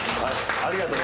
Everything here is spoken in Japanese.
ありがとね。